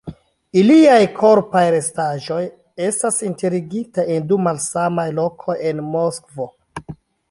Iliaj korpaj restaĵoj estas enterigitaj en du malsamaj lokoj en Moskvo.